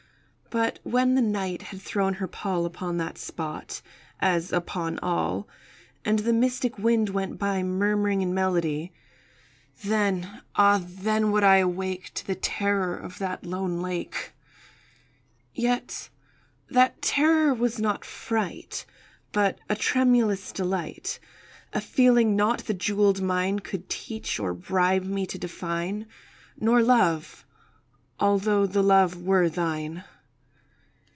But when the Night had thrown her pall Upon that spot, as upon all, And the mystic wind went by Murmuring in melody— Then—ah then I would awake To the terror of the lone lake. Yet that terror was not fright, But a tremulous delight— A feeling not the jewelled mine Could teach or bribe me to define— Nor Love—although the Love were thine.